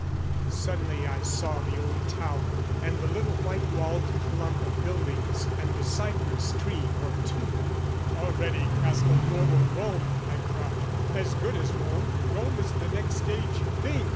Suddenly I saw The old tower, and the little white walled clump Of buildings and the cypress tree or two, "Already Castelnuovo Rome!" I cried, "As good as Rome, Rome is the next stage, think!